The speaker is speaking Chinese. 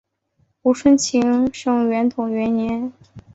吴春晴生于宣统元年。